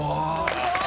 すごい！